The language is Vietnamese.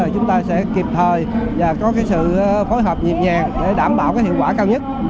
chúng ta sẽ kịp thời và có sự phối hợp nhịp nhàng để đảm bảo hiệu quả cao nhất